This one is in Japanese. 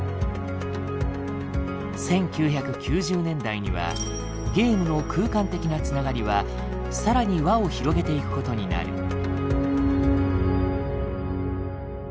１９９０年代にはゲームの空間的な繋がりは更に輪を広げていくことになる。